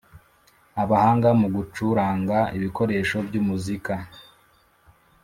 abahanga mu gucuranga ibikoresho by umuzika